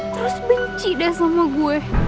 terus benci dah sama gue